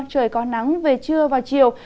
trời có nắng về trưa và chiều